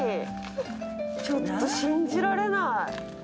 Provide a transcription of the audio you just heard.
ちょっと信じられない。